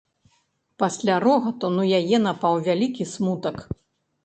Пасля рогату на яе напаў вялікі смутак.